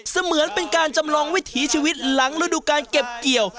เหมือนเป็นการจำลองวิถีชีวิตหลังฤดูการเก็บเกี่ยว